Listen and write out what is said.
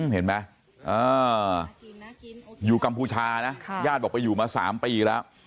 เห็นไหมอยู่กัมพูชานะญาติบอกไปอยู่มา๓ปีแล้ว